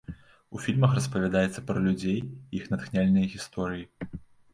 У фільмах распавядаецца пра людзей і іх натхняльныя гісторыі.